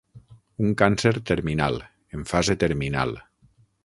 Un càncer terminal, en fase terminal.